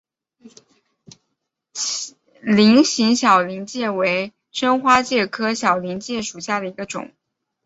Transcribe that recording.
菱形小林介为真花介科小林介属下的一个种。